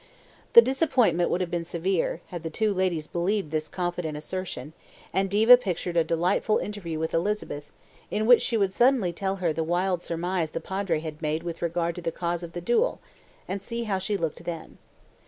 The disappointment would have been severe, had the two ladies believed this confident assertion, and Diva pictured a delightful interview with Elizabeth, in which she would suddenly tell her the wild surmise the Padre had made with regard to the cause of the duel, and see how she looked then.